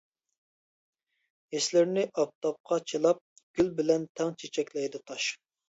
ھېسلىرىنى ئاپتاپقا چىلاپ، گۈل بىلەن تەڭ چېچەكلەيدۇ تاش.